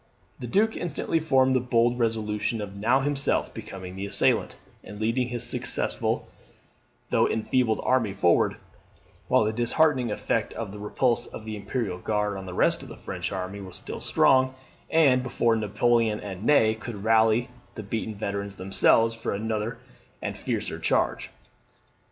The Duke instantly formed the bold resolution of now himself becoming the assailant, and leading his successful though enfeebled army forward, while the disheartening effect of the repulse of the Imperial Guard on the rest of the French army was still strong, and before Napoleon and Ney could rally the beaten veterans themselves for another and a fiercer charge.